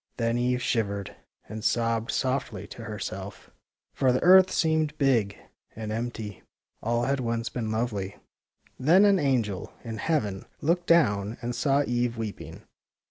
Then Eve shivered and sobbed softly to her self, for the earth seemed big and empty. All had once been lovely. Then an angel in heaven looked down and saw Eve weeping.